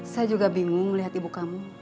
saya juga bingung melihat ibu kamu